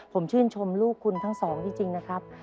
ผมชื่นชมลูกคุณทั้งสองจริงนะครับ